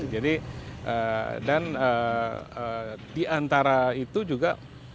jadi dan di antara itu juga